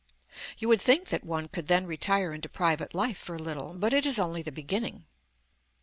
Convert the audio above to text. You would think that one could then retire into private life for a little, but it is only the beginning.